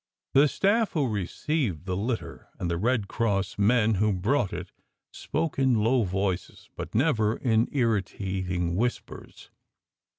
The staff who received the litter, and the Red Cross men who brought it, spoke in low voices, but never in irritating whispers.